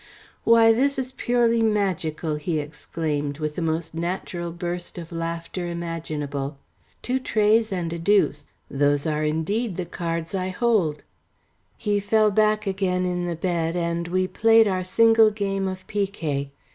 "Why, this is purely magical," he exclaimed, with the most natural burst of laughter imaginable. "Two treys and a deuce! Those are indeed the cards I hold." He fell back again in the bed, and we played our single game of picquet.